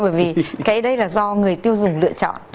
bởi vì cái đấy là do người tiêu dùng lựa chọn